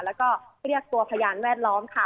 แล้วก็เรียกตัวพยานแวดล้อมค่ะ